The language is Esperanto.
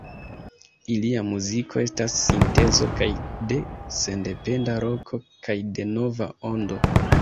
Ilia muziko estas sintezo kaj de sendependa roko kaj de Nova ondo.